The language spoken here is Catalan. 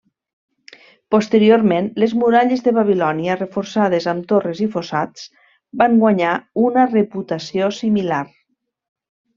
Posteriorment, les muralles de Babilònia reforçades amb torres i fossats, van guanyar una reputació similar.